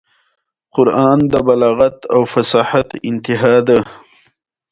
تاسي د هغه د لیک جواب نه دی ورکړی.